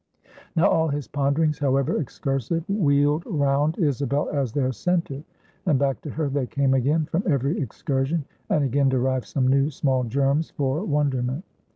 Now all his ponderings, however excursive, wheeled round Isabel as their center; and back to her they came again from every excursion; and again derived some new, small germs for wonderment.